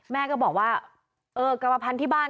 แม่ก็บอกว่าเออกรรมพันธุ์ที่บ้าน